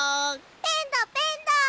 ペンだペンだ！